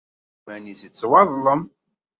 Yuba iḥulfa i yiman-nnes yettwaḍlem.